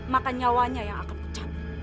maka nyawanya yang akan pecat